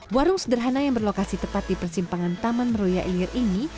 warung sederhana yang berlokasi tepat di persimpangan taman roya ilir ini